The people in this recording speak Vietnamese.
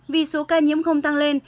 vì số ca nhiễm không tăng lên